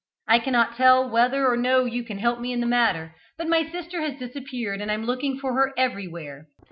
I cannot tell whether or no you can help me in the matter, but my sister has disappeared and I am looking for her everywhere."